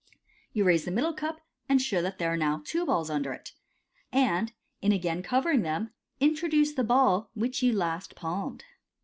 You raise the middle cup, and show that there are now two balls under it, and, in again covering them, introduce the ball which you last palmed.